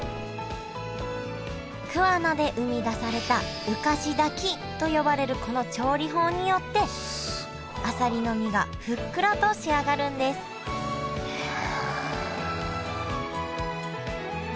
桑名で生み出された浮かし炊きと呼ばれるこの調理法によってあさりの身がふっくらと仕上がるんですへえ。